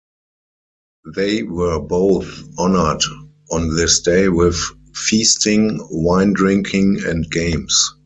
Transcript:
They were both honored on this day with feasting, wine-drinking, and games.